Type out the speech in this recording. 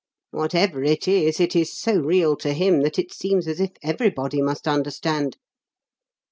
Whatever it is, it is so real to him that it seems as if everybody must understand."